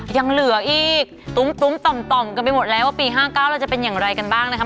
ยังเหลืออีกตุ้มต่อมกันไปหมดแล้วว่าปี๕๙เราจะเป็นอย่างไรกันบ้างนะครับ